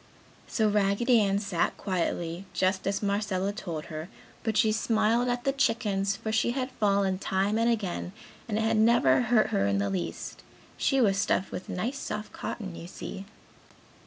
So, Raggedy Ann sat quietly, just as Marcella told her, but she smiled at the chickens for she had fallen time and again and it had never hurt her in the least. She was stuffed with nice soft cotton, you see.